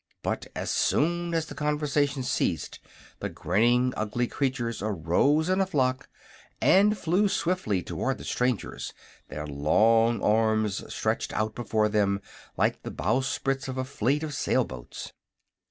But as soon as the conversation ceased the grinning, ugly creatures arose in a flock and flew swiftly toward the strangers, their long arms stretched out before them like the bowsprits of a fleet of sail boats.